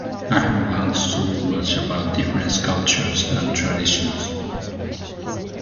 I have learned so much about different cultures and traditions.